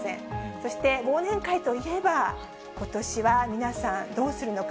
そして忘年会といえば、ことしは皆さん、どうするのか。